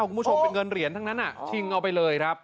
คุณผู้ชมเป็นเงินเหรียญทั้งนั้นชิงเอาไปเลยครับ